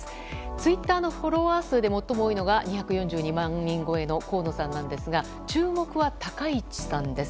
ツイートのフォロワー数で最も多いのが２４２万人超えの河野さんなんですが注目は高市さんです。